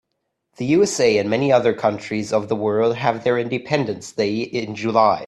The USA and many other countries of the world have their independence day in July.